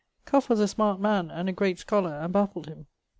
Cuff was a smart man and a great scholar and baffeld him.